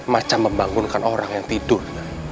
macam membangunkan orang yang tidur